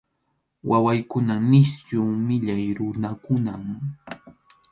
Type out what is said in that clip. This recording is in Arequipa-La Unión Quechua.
Wawaykunan nisyu millay runakunam.